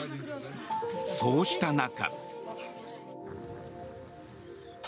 そうした中。